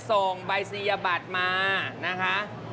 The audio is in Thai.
ส่งใบศนียบัตรมานะคะ